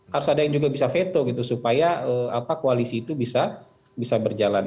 harus ada yang juga bisa veto gitu supaya koalisi itu bisa berjalan